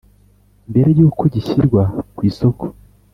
Mbere y uko gishyirwa ku isoko